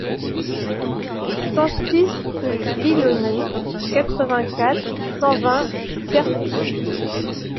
cent six rue Vinolly, quatre-vingt-quatre, cent vingt, Pertuis